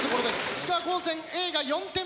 石川高専Ａが４点目。